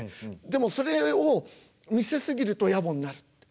でもそれを見せ過ぎるとやぼになるって。